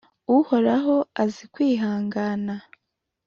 Uhoraho azi kwihangana